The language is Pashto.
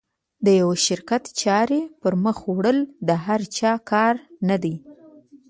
د یوه شرکت چارې پر مخ وړل د هر چا کار نه ده.